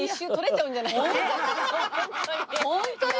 ホントよ！